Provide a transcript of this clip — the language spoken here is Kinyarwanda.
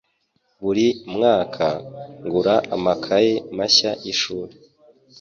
Buri mwaka, ngura amakaye mashya yishuri.